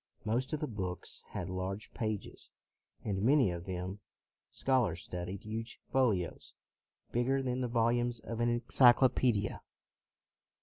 Most of the books had large pages, and many of them. Scholars studied huge folios, bigger than the volumes of an enclyclo pedia.